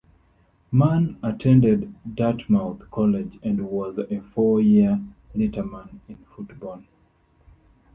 Mann attended Dartmouth College and was a four-year letterman in football.